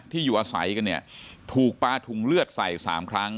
อยู่อาศัยกันเนี่ยถูกปลาถุงเลือดใส่๓ครั้ง